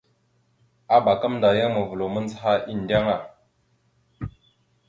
Abak gamənda yan mavəlaw mandzəha endeŋa.